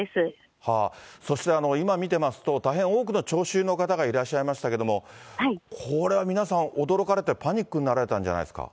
そして、今見てますと、大変多くの聴衆の方がいらっしゃいましたけど、これは皆さん、驚かれて、パニックになられたんじゃないですか。